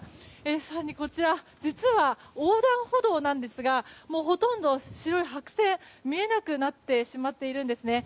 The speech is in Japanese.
更に、こちら実は横断歩道なんですがほとんど白線が見えなくなっているんですね。